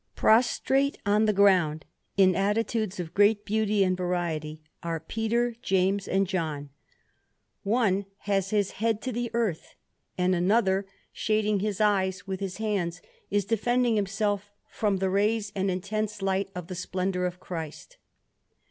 Prostrate on the ground, in attitudes of great beauty and variety, are Peter, James, and John; one has his head to the earth, and another, shading his eyes with his hands, is defending himself from the rays and intense light of the splendour of Christ.